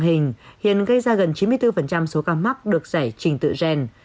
hình hiện gây ra gần chín mươi bốn số ca mắc được giải trình tự gen